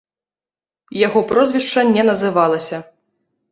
Яго прозвішча не называлася.